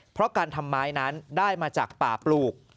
เพราะการทำไม้นั้นได้มาจากป่าปลูก